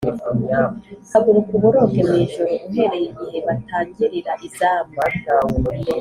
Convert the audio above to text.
“Haguruka uboroge mu ijoro, Uhereye igihe batangirira izamu.